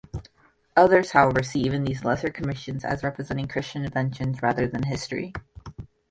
Others, however, see even these lesser commissions as representing Christian invention rather than history.